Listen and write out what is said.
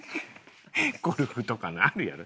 ゴルフとかのあるやろ？